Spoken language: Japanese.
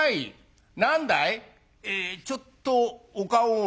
「えちょっとお顔を」。